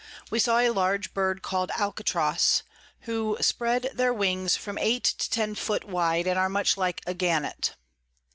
We saw a large Bird call'd Alcatros, who spread their Wings from eight to ten foot wide, and are much like a Gannet.